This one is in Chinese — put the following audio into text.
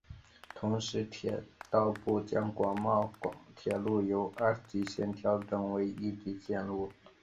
同时铁道部将广茂铁路由二级线路调整为一级线路。